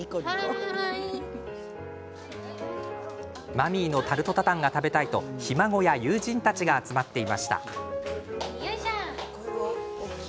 マミーのタルト・タタンが食べたいとひ孫や友人たちが集まっていました。